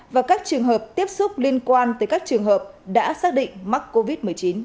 và các trường hợp tiếp xúc liên quan tới các trường hợp đã xác định mắc covid một mươi chín